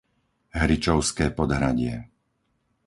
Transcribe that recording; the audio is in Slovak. Hričovské Podhradie